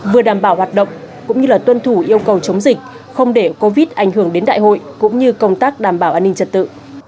vừa đảm bảo hoạt động cũng như tuân thủ yêu cầu chống dịch không để covid ảnh hưởng đến đại hội cũng như công tác đảm bảo an ninh trật tự